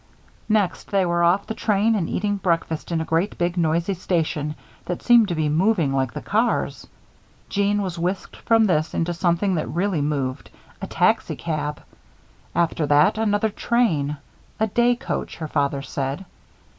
Next they were off the train and eating breakfast in a great big noisy station that seemed to be moving like the cars. Jeanne was whisked from this into something that really moved a taxicab. After that, another train a day coach, her father said.